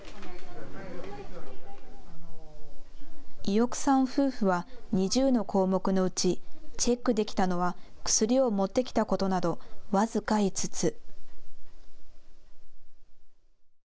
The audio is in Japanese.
伊與久さん夫婦は２０の項目のうちチェックできたのは薬を持ってきたことなど僅か５つ。